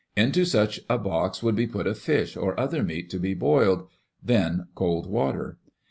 Into such a box would be put a fish or other meat to be boiled, then cold water.